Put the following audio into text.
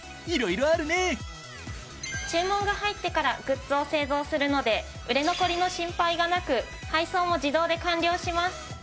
注文が入ってからグッズを製造するので売れ残りの心配がなく配送も自動で完了します。